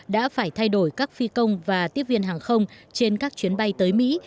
đã phải thay đổi các phi công và tiếp viên hàng không trên các chuyến bay tới mỹ